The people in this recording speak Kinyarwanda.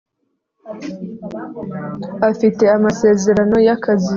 Afite amasezerano y’akazi